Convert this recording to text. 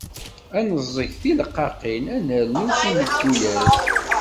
Ad neẓẓeg tileqqaqin, ad nernu timegguyaz.